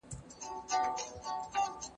زموږ په ټولنه کې بدلونونه لیدل کیږي.